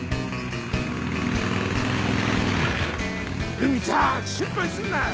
海ちゃん心配すんな！